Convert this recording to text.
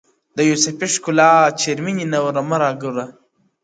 o د يوسفي ښکلا چيرمنې نوره مه راگوره؛